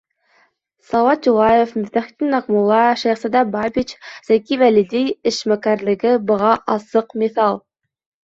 С. Юлаев, М. Аҡмулла, Ш. Бабич, З. Вәлиди эшмәкәрлеге быға асыҡ миҫал.